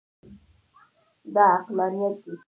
دا عقلانیت دی.